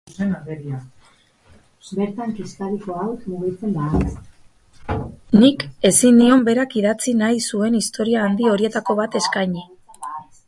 Nik ezin nion berak idatzi nahi zuen historia handi horietako bat eskaini.